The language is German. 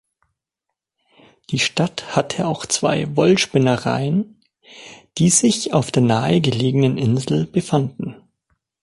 Die Stadt hatte auch zwei Wollspinnereien, die sich auf der nahe gelegenen Insel befanden.